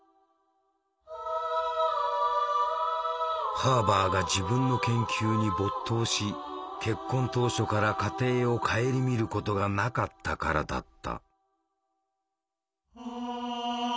ハーバーが自分の研究に没頭し結婚当初から家庭を顧みることがなかったからだった。